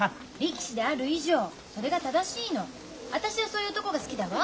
私はそういう男が好きだわ。